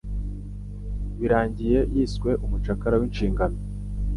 Birangiye yiswe Umucakara w'inshingano?